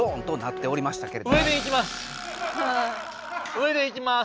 上で行きます。